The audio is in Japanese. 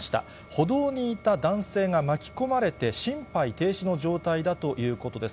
歩道にいた男性が巻き込まれて、心肺停止の状態だということです。